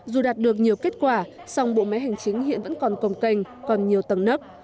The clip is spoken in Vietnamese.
dù đạt được nhiều kết quả song bộ máy hành chính hiện vẫn còn công canh còn nhiều tầng nấp